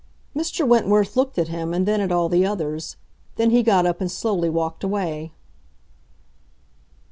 Mr. Wentworth looked at him and then at all the others; then he got up and slowly walked away.